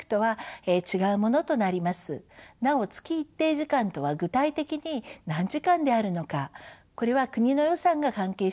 なお月一定時間とは具体的に何時間であるのかこれは国の予算が関係してきます。